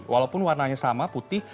walaupun warnanya sama putih